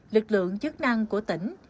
lực lượng chức năng của tỉnh